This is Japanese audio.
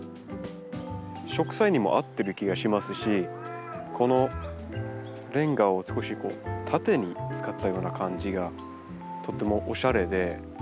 植栽にも合ってる気がしますしこのレンガを少し縦に使ったような感じがとってもおしゃれで。